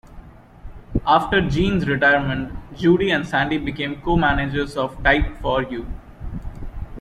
After Jean's retirement, Judy and Sandy become co-managers of Type for You.